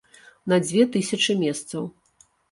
На дзве тысячы месцаў.